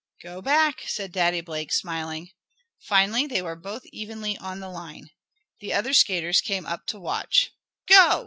"Go back," said Daddy Blake, smiling. Finally they were both evenly on the line. The other skaters came up to watch. "Go!"